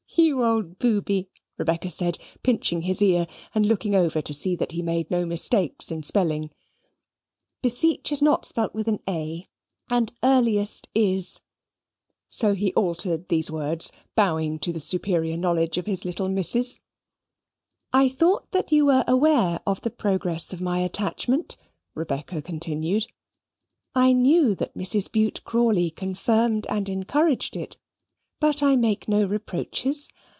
"You old booby," Rebecca said, pinching his ear and looking over to see that he made no mistakes in spelling "beseech is not spelt with an a, and earliest is." So he altered these words, bowing to the superior knowledge of his little Missis. "I thought that you were aware of the progress of my attachment," Rebecca continued: "I knew that Mrs. Bute Crawley confirmed and encouraged it. But I make no reproaches.